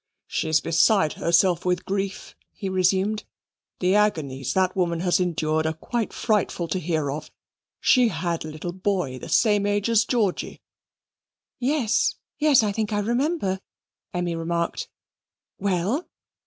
"She's beside herself with grief," he resumed. "The agonies that woman has endured are quite frightful to hear of. She had a little boy, of the same age as Georgy." "Yes, yes, I think I remember," Emmy remarked. "Well?"